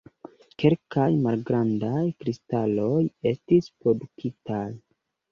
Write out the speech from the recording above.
Kelkaj malgrandaj kristaloj estis produktitaj.